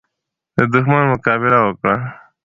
د دښمن مقابله وکړه.